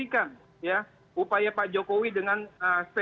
kalau salah disangsi